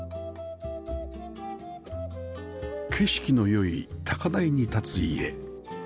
景色の良い高台に立つ家